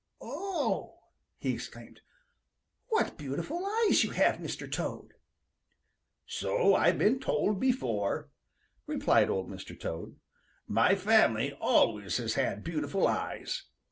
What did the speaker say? "Oh!" he exclaimed, "what beautiful eyes you have, Mr. Toad!" "So I've been told before," replied Old Mr. Toad. "My family always has had beautiful eyes.